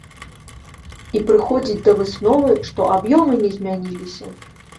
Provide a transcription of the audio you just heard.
І прыходзіць да высновы, што аб'ёмы не змяніліся!